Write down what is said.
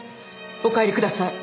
お帰りください。